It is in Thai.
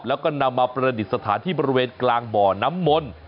แล้วก็นำมาประดิษฐานที่บริเวณกลางบ่อน้ำมนต์